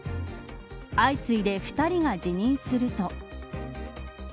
相次いで２人が辞任すると。